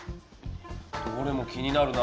どれも気になるな。